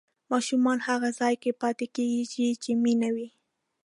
ماشومان هغه ځای کې پاتې کېږي چې مینه وي.